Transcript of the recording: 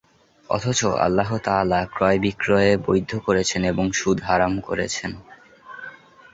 অথচ আল্লাহ তা'আলা ক্রয়-বিক্রয় বৈধ করেছেন এবং সুদ হারাম করেছেন।